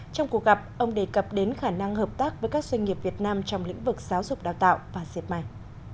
trong cuộc gặp ông đề cập đến khả năng hợp tác với các doanh nghiệp việt nam trong lĩnh vực giáo dục đào tạo và diệt may